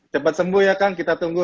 cepat sembuh ya kang kita tunggu